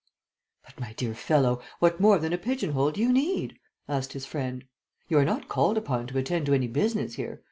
"But, my dear fellow, what more than a pigeon hole do you need?" asked his friend. "You are not called upon to attend to any business here.